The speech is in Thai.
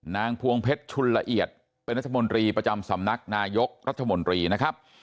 พวงเพชรชุนละเอียดเป็นรัฐมนตรีประจำสำนักนายกรัฐมนตรีนะครับ